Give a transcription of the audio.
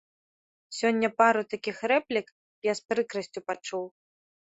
Сёння пару такіх рэплік я з прыкрасцю пачуў.